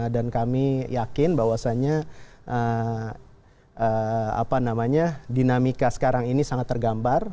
dan kami yakin bahwasannya dinamika sekarang ini sangat tergambar